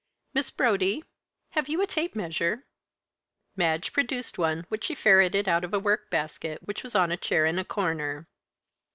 Miss Brodie, have you a tape measure?" Madge produced one which she ferreted out of a work basket which was on a chair in a corner.